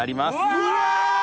うわ！